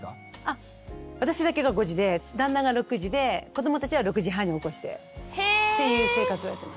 あ私だけが５時で旦那が６時で子どもたちは６時半に起こしてっていう生活をやってますね。